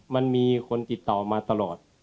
มันมีคนติดต่อมาตลอด